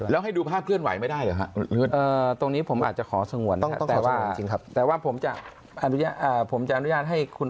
แล้วให้ดูภาพเคลื่อนไหวไม่ได้เหรอครับ